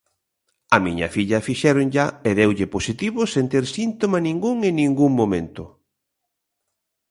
Á miña filla fixéronlla e deulle positivo sen ter síntoma ningún en ningún momento.